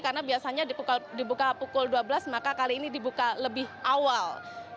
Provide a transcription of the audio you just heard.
karena biasanya dibuka pukul dua belas maka kali ini dibuka lebih awal